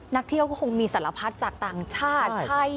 นักเที่ยวก็คงมีสารพัดจากต่างชาติ